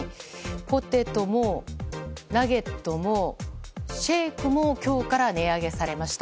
ポテトもナゲットもシェイクも今日から値上げされました。